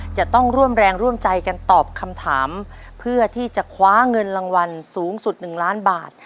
จะต้องร่วมแรงร่วมใจกันตอบคำถามเพื่อที่จะคว้าเงินรางวัลสูงสุด๑ล้านบาท